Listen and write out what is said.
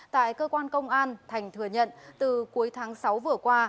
tại cơ quan công an thành thừa nhận từ cuối tháng sáu vừa qua